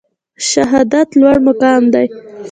شهادت لوړ مقام دی